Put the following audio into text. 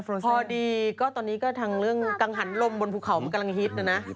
พอดีก็ตอนนี้ก็ทางเรื่องกังหันลมบนภูเขามันกำลังฮิตนะนะ